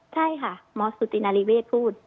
ใช่ค่ะหมอสุตินาริเวศพูด